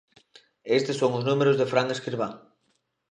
Estes son os números de Fran Escribá.